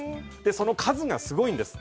その数がすごいです。